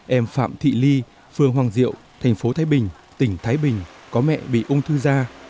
em phạm thị ly phường hoàng diệu thành phố thái bình tỉnh thái bình có mẹ bị ung thư da